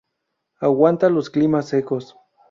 Aguanta los climas secos.